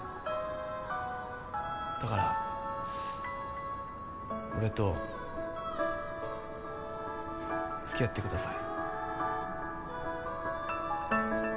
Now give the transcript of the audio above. だから俺と付き合ってください。